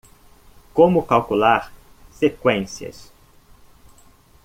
Como calcular seqüências?